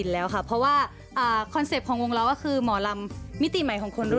อย่างพี่จุ้